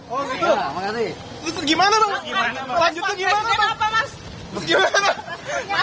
oh gitu gimana